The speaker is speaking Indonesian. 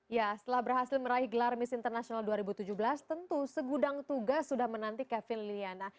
ya setelah berhasil meraih gelar miss international dua ribu tujuh belas tentu segudang tugas sudah menanti kevin liliana